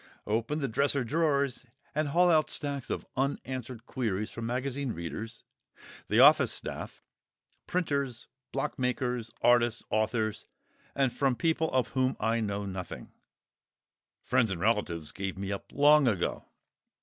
Open the dresser drawers and haul out stacks of unanswered queries from magazine readers, the office staff, printers, block makers, artists, authors, and from people of whom I know nothing (friends and relatives gave me up long ago!).